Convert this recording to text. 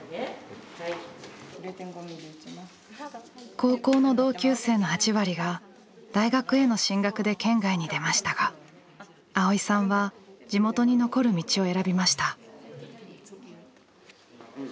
高校の同級生の８割が大学への進学で県外に出ましたが蒼依さんは地元に残る道を選びました。